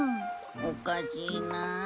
おかしいな。